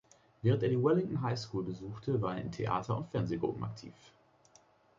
Während er die Wellington High School besuchte, war er in Theater- und Fernsehgruppen aktiv.